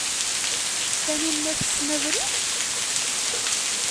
Taninna tessen abrid?